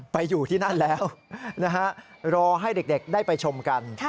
ไปอยู่ที่นั่นแล้วนะฮะรอให้เด็กได้ไปชมกัน